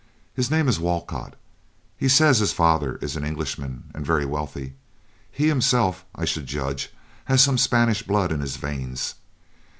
His name is Walcott. He says his father is an Englishman and very wealthy; he himself, I should judge, has some Spanish blood in his veins.